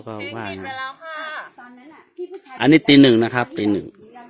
เพลงปิดไปแล้วค่ะอันนี้ตีหนึ่งนะครับตีหนึ่ง